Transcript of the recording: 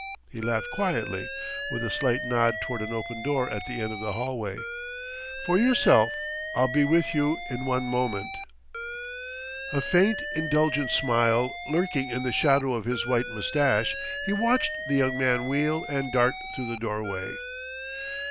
He laughed quietly, with a slight nod toward an open door at the end of the hallway. "For myself, I'll be with you in one moment." A faint, indulgent smile lurking in the shadow of his white mustache, he watched the young man wheel and dart through the doorway.